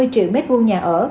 năm mươi triệu m hai nhà ở